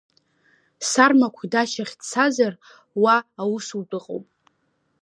Сармақә идачахь дцазар, уа аусутә ыҟоуп.